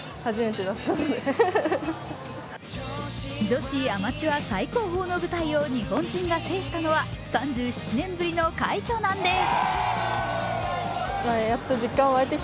女子アマチュア最高峰の舞台を日本人が制したのは３７年ぶりの快挙なんです。